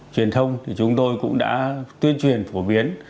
truyền thông thì chúng tôi cũng đã tuyên truyền phổ biến